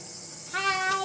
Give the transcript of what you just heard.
はい。